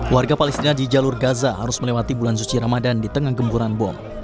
warga palestina di jalur gaza harus melewati bulan suci ramadan di tengah gemburan bom